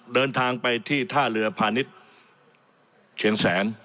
เดินทางไปที่ท่าเรือพาณิชย์เชียงแสน